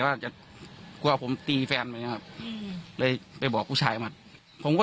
ว่าจะกลัวผมตีแฟนไปนะครับอืมเลยไปบอกผู้ชายมาผมก็